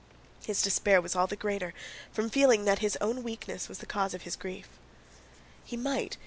His despair was all the greater from feeling that his own weakness was the cause of his grief. He might...